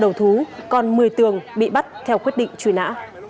đầu thú còn một mươi tường bị bắt theo quyết định truy nã